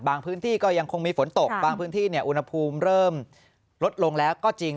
พื้นที่ก็ยังคงมีฝนตกบางพื้นที่อุณหภูมิเริ่มลดลงแล้วก็จริง